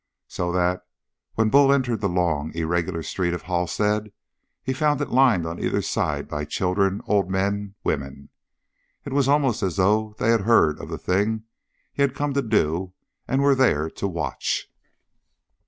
So that, when Bull entered the long, irregular street of Halstead, he found it lined on either side by children, old men, women. It was almost as though they had heard of the thing he had come to do and were there to watch.